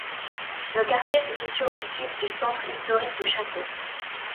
Le quartier se situe au sud du centre historique du Château.